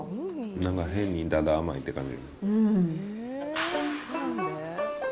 なんか変にただ甘いって感じ。